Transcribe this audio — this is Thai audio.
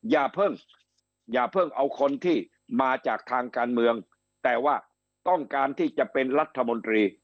อย่าเพิ่งอย่าเพิ่งเอาคนที่มาจากทางการเมืองแต่ว่าต้องการที่จะเป็นรัฐมนตรี